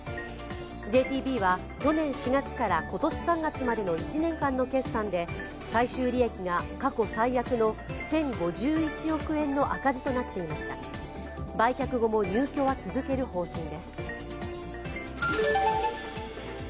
ＪＴＢは去年４月から今年３月までの１年間の決算で最終利益が過去最悪の１０５１億円の赤字となっていました。